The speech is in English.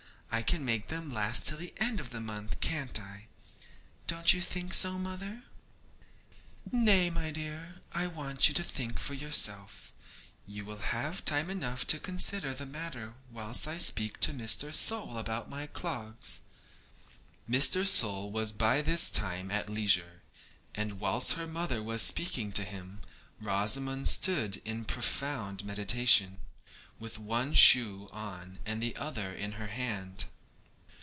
I can make them last till the end of the month, can't I? Don't you think so, mother?' 'Nay, my dear, I want you to think for yourself; you will have time enough to consider the matter whilst I speak to Mr. Sole about my clogs.' Mr. Sole was by this time at leisure, and whilst her mother was speaking to him Rosamond stood in profound meditation, with one shoe on and the other in her hand.